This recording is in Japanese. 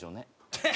えっ？